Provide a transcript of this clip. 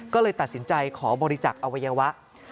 ก็เลยตัดสินใจขอบริจักษ์อวัยวะ